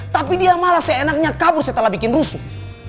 tapi dia malah seenaknya kabur setelah bikin rusuh